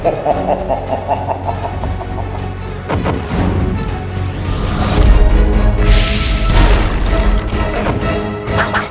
takdirnya akan mempersatukan kita kembali putriku